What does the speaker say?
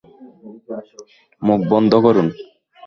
মুখ বন্ধ করুন।